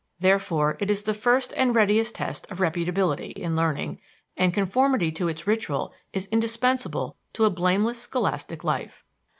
Therefore it is the first and readiest test of reputability in learning, and conformity to its ritual is indispensable to a blameless scholastic life.